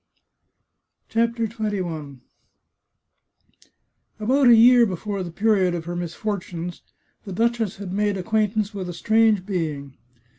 CHAPTER XXI About a year before the period of her misfortunes, the duchess had made acquaintance with a strange being.